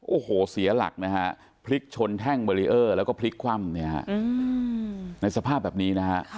โอ้โหเสียหลักนะฮะพลิกชนแท่งเบรีเออร์แล้วก็พลิกคว่ำเนี่ยฮะในสภาพแบบนี้นะฮะ